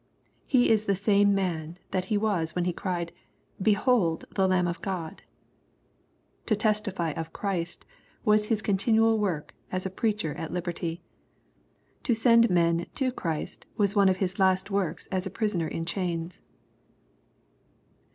He is the same man that he was when he cried, " Behold the Lamb of God." To testify of Christ, was his con tinual work as a preacher at liberty. To send men to Christ, was one of his last works as a prisoner in chains.